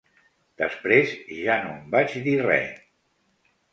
Després ja no en vaig dir re.